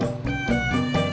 ya saya lagi konsentrasi